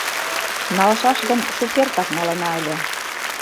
Налшаш гын, шукертак налына ыле.